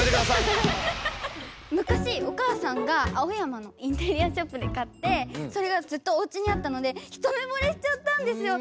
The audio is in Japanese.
むかしお母さんが青山のインテリアショップで買ってそれがずっとおうちにあったので一目ぼれしちゃったんですよ。